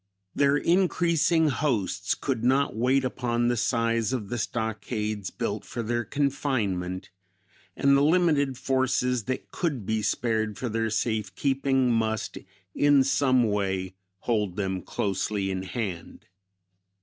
Their increasing hosts could not wait upon the size of the stockades built for their confinement, and the limited forces that could be spared for their safe keeping must in some way hold them closely in hand.